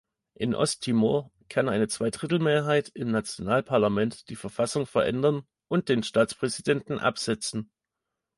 In Osttimor kann eine Zweidrittelmehrheit im Nationalparlament die Verfassung verändern und den Staatspräsidenten absetzen.